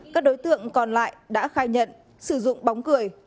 các đối tượng còn lại đã khai nhận sử dụng bóng cười